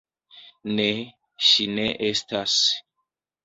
Ne, ŝi ne estas.